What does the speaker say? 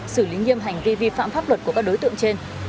xử lý nghiêm hành vi vi phạm pháp luật của các đối tượng trên